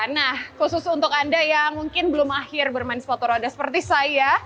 nah khusus untuk anda yang mungkin belum akhir bermain sepatu roda seperti saya